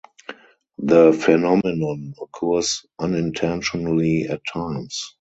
The phenomenon occurs unintentionally at times.